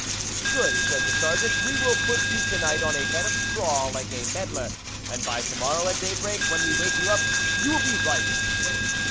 " Good," said the Sergeant, " we wil put you to night on a bed of straw, like a medlar, and by to morrow, at daybreak when we wake you up, you will be ripe."